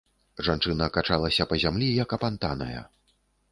Жанчына качалася па зямлі як апантаная.